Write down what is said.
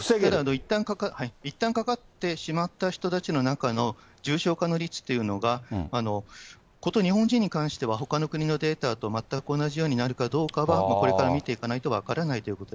ただ、いったんかかってしまった人たちの中の重症化の率というのが、こと日本人に関してはほかの国のデータと全く同じようになるかどうかは、これから見ていかないと分からないということ。